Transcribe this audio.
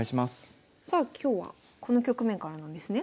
さあ今日はこの局面からなんですね。